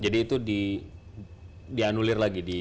jadi itu dianulir lagi